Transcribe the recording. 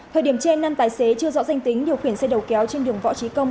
thời điểm trên năm tài xế chưa rõ danh tính điều khiển xe đầu kéo trên đường võ trí công